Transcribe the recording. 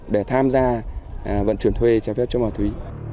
để tham gia vận chuyển thuê trái phép chất ma túy